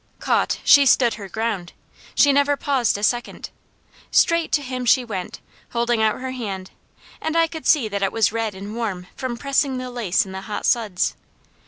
Caught, she stood her ground. She never paused a second. Straight to him she went, holding out her hand, and I could see that it was red and warm from pressing the lace in the hot suds.